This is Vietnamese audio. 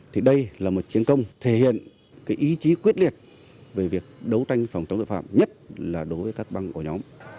thì đây là một chiến công thể hiện cái ý chí quyết liệt về việc đấu tranh phòng chống tội phạm nhất là đối với các băng ổ nhóm